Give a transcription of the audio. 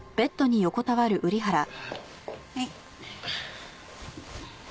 はい。